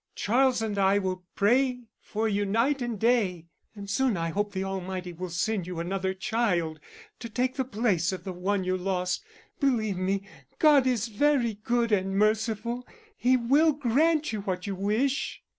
Charles and I will pray for you night and day, and soon I hope the Almighty will send you another child to take the place of the one you lost. Believe me, God is very good and merciful, and He will grant you what you wish."